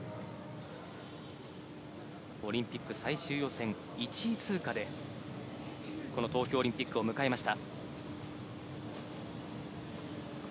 オリンピック最終予選１位通過で、この東京オリンピックを迎えました。